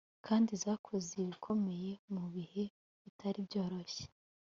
kandi zakoze ibikomeye mu bihe bitari byoroshye